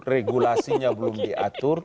regulasinya belum diatur